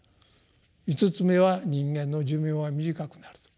五つ目は人間の寿命は短くなると。